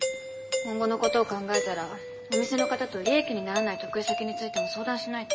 今後のことを考えたらお店の方と利益にならない得意先についても相談しないと。